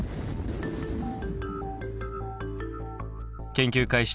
研究開始